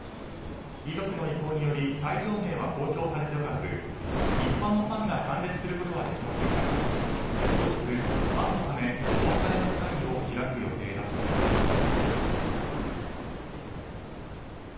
遺族の意向により斎場名は公表されておらず一般のファンが参列することはできませんが後日、ファンのためお別れの会を開く予定だということです。